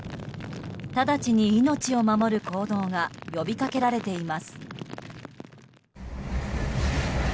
直ちに命を守る行動が呼びかけられています。